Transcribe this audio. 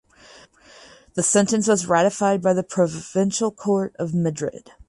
The sentence was ratified by the Provincial Court of Madrid.